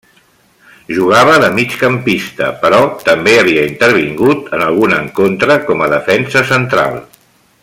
Jugava de migcampista, però també havia intervingut en algun encontre com a Defensa central.